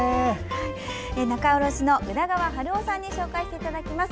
仲卸の宇田川晴生さんに紹介していただきます。